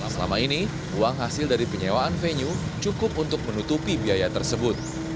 selama ini uang hasil dari penyewaan venue cukup untuk menutupi biaya tersebut